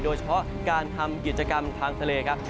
โดยเฉพาะการทำกิจกรรมทางทะเลครับ